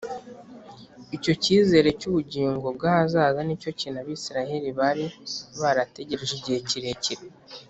Icyo cyizere cy’ubugingo bw’ahazaza nicyo kintu Abisiraheli bari barategereje igihe kirekire